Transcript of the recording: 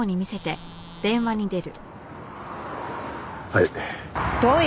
はい。